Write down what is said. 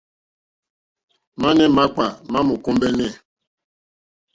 Mane makpà ma mò kombεnε.